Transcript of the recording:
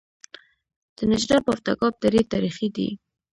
د نجراب او تګاب درې تاریخي دي